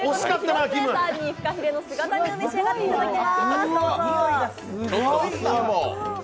広末さんに、ふかひれの姿煮を召し上がっていただきます。